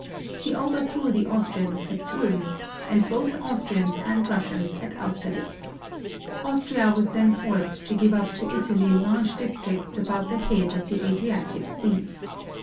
He overthrew the Austrians at Ulm, and both Austrians and Russians at Austerlitz. Austria was then forced to give up to Italy large districts about the head of the Adriatic Sea.